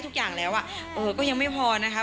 ทุกอย่างแล้วก็ยังไม่พอนะครับ